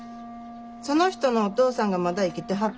その人のお父さんがまだ生きてはってな